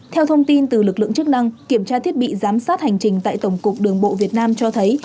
theo thông tin từ lực lượng chức năng kiểm tra thiết bị giám sát hành trình tại tổng cục đường bộ việt nam cho thấy